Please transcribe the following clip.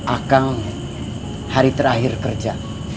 akang hari terakhir kerja